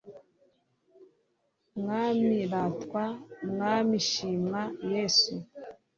r/ mwami ratwa, mwami shimwa, yezu